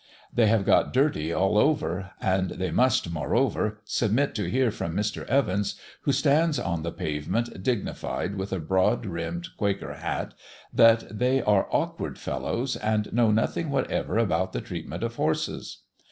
They have got dirty all over; and they must, moreover, submit to hear from Mr. Evans, who stands on the pavement dignified, with a broad brimmed Quaker hat, that they are awkward fellows, and know nothing whatever about the treatment of horses.